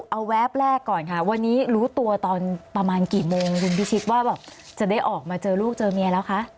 เอาแวบแรกก่อนค่ะวันนี้รู้ตัวตอนประมาณกี่โมงคุณพิชิตว่าแบบจะได้ออกมาเจอลูกเจอเมียแล้วคะ